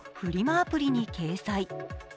アプリに掲載。